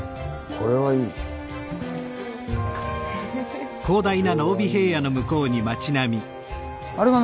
これはいいね。